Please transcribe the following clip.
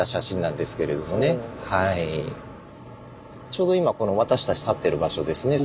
ちょうど今この私たち立ってる場所ですね